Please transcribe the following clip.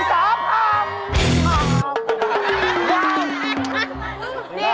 จะหนึ่งหน่อยเหรอ